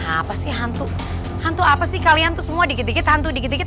apa sih hantu hantu apa sih kalian tuh semua dikit dikit hantu dikit dikit